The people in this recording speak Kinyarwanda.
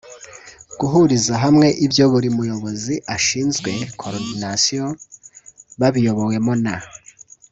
Guhuriza hamwe ibyo buri muyobozi ashinzwe (coordination) babiyobowemo na